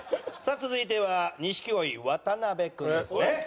さあ続いては錦鯉渡辺君ですね。